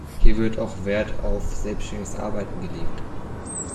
Hier wird auch Wert auf selbständiges Arbeiten gelegt.